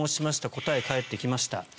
答え、返ってきました。